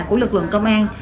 của lực lượng công an